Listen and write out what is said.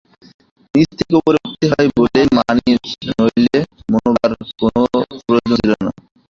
নীচে থেকে উপরে উঠতে হয় বলেই মানি– নইলে মানবার কোনো প্রয়োজন ছিল না।